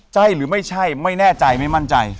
ใช่หรือไม่ใช่ไม่แน่ใจไม่มั่นใจ